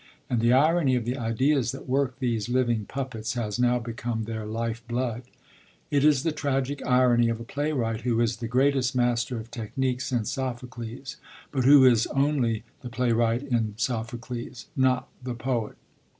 And the irony of the ideas that work these living puppets has now become their life blood. It is the tragic irony of a playwright who is the greatest master of technique since Sophocles, but who is only the playwright in Sophocles, not the poet.